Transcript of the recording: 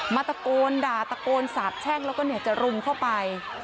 ตะโกนด่าตะโกนสาบแช่งแล้วก็จะรุมเข้าไป